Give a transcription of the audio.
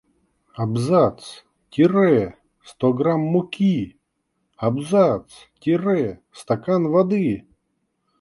Абзац! Тире! Сто грамм муки. Абзац! Тире! Стакан воды.